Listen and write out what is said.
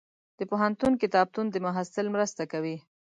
د پوهنتون کتابتون د محصل مرسته کوي.